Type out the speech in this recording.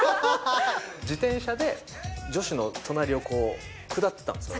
自転車で、女子の隣をこう、下ってたんですよ。